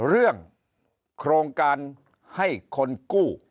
เรื่องโครงการให้คนกู้